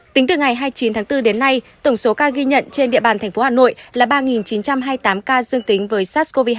tính từ ngày hai mươi chín tháng bốn đến nay tổng số ca ghi nhận trên địa bàn thành phố hà nội là ba chín trăm hai mươi tám ca dương tính với sars cov hai